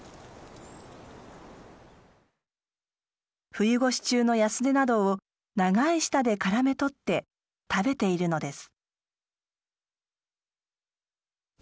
冬越し中のヤスデなどを長い舌でからめ捕って食べているのです。